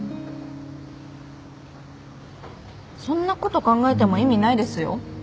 そんなこと考えても意味ないですよ。